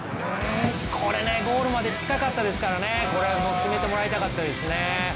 これゴールまで近かったですからね決めてもらいたかったですね。